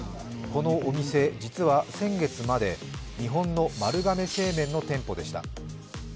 このお店、実は先月まで日本の丸亀製麺の店舗でした。